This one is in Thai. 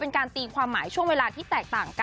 เป็นการตีความหมายช่วงเวลาที่แตกต่างกัน